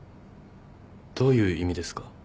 どういう意味ですか？